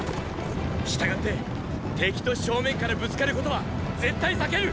したがって敵と正面からぶつかることは絶対避ける！